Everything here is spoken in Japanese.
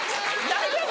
大丈夫？